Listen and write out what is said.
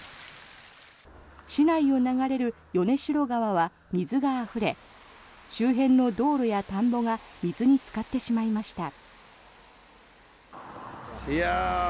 市内を流れる米代川は水があふれ周辺の道路や田んぼが水につかってしまいました。